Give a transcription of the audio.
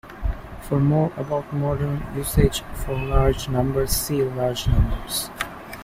For more about modern usage for large numbers see Large numbers.